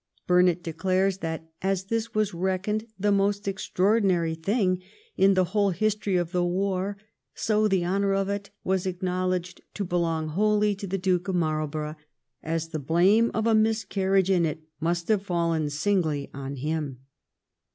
Burnet declares that ' As this was reckoned the most extraordinary thing in the whole history of the war, so the honour of it was acknow leged to belong wholly to the Duke of Marlborough ; as the blame of a miscarriage in it must have faUen singly on him.'